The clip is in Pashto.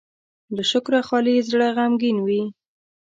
له شکره خالي زړه غمګين وي.